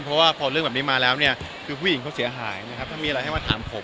เพราะว่าพอเรื่องแบบนี้มาแล้วเนี่ยคือผู้หญิงเขาเสียหายนะครับถ้ามีอะไรให้มาถามผม